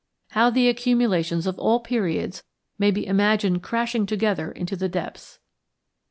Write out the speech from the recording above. How the accumulations of all periods may be imagined crashing together into the depths!